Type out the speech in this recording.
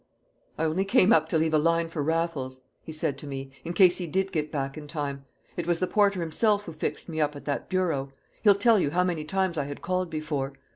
"I only came up to leave a line for Raffles," he said to me, "in case he did get back in time. It was the porter himself who fixed me up at that bureau. He'll tell you how many times I had called before.